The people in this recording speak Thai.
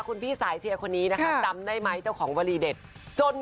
คุณพี่สายเชียวคนนี้ได้ไหมที่เจ้าของวลีเด็ดจน